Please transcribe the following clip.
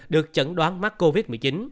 được chẩn đoán mắc covid một mươi chín